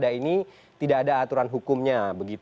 di pilkada ini tidak ada aturan hukumnya